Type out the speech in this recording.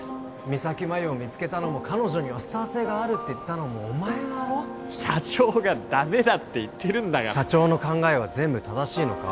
三咲麻有を見つけたのも彼女にはスター性があるって言ったのもお前だろ社長がダメだって言ってるんだから社長の考えは全部正しいのか？